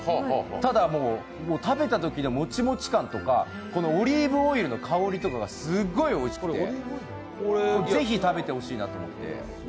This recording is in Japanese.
ただ、食べたときのもちもち感とかオリーブオイルの香りとかがすっごいおいしくて、是非食べてほしいなと思って。